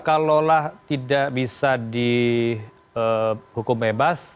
kalau tidak bisa di hukum bebas